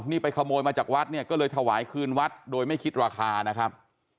นี่ไปขโมยมาจากวัดเนี่ยก็เลยถวายคืนวัดโดยไม่คิดราคานะครับ